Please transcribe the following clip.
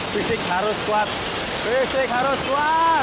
fisik harus kuat fisik harus kuat